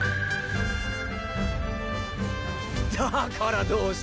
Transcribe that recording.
だからどうした？